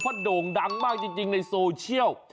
เพราะโด่งดังมากจริงในโซเชียล